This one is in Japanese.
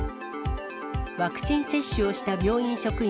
ワクチン接種をした病院職員